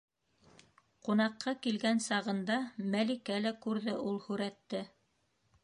Ҡунаҡҡа килгән сағында Мәликә лә күрҙе ул һүрәтте.